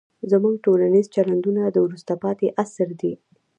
زموږ ټولنیز چلندونه د وروسته پاتې عصر دي.